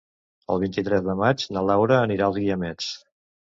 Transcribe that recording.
El vint-i-tres de maig na Laura anirà als Guiamets.